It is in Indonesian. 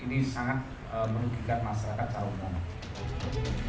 ini sangat merugikan masyarakat secara umum